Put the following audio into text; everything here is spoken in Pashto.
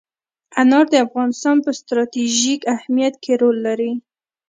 انار د افغانستان په ستراتیژیک اهمیت کې رول لري.